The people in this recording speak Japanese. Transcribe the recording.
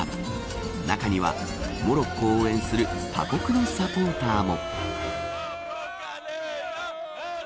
中にはモロッコを応援する他国のサポーターも。